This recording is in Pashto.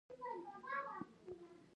ژمی شو